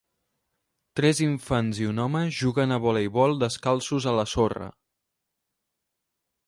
Tres infants i un home juguen a voleibol descalços a la sorra.